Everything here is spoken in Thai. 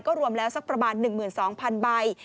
รวมแล้วสักประมาณ๑๒๐๐๐ใบ